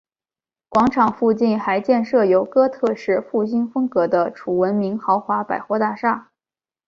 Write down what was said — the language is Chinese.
广场附近还建设有哥特式复兴风格的楚闻明豪华百货大厦。